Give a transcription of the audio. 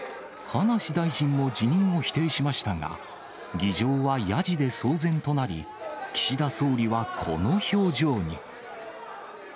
葉梨大臣も辞任を否定しましたが、議場はやじで騒然となり、岸田総理はこの表情に。